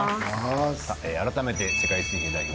改めて世界水泳代表